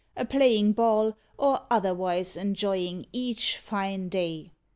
a playin ball Or otherwise enjoyin each fine day.